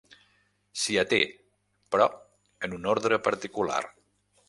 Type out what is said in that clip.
S'hi até, però en un ordre particular.